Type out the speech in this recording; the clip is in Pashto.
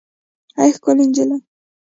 اې ښکلې نجلۍ